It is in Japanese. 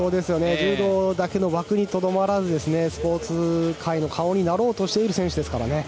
柔道だけの枠にとどまらずスポーツ界の顔になろうとしている選手ですからね。